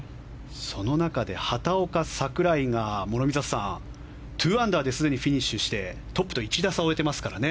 その中で畑岡、櫻井が諸見里さん２アンダーですでにフィニッシュしてトップと１打差で終えていますからね。